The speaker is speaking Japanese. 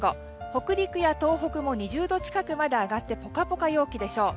北陸や東北も２０度近くまで上がってポカポカ陽気でしょう。